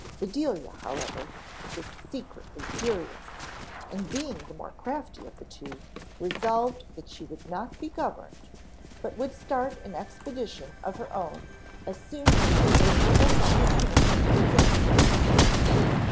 Bedelia, however, was secretly furious, and being the more crafty of the two, resolved that she would not be governed, but would start an expedition of her own as soon as a favorable opportunity presented itself.